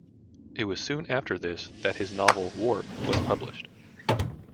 It was soon after this that his novel, "Warp", was published.